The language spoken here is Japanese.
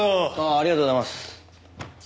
ありがとうございます。